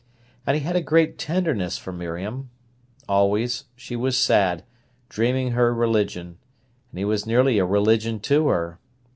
And he had a great tenderness for Miriam. Always, she was sad, dreaming her religion; and he was nearly a religion to her.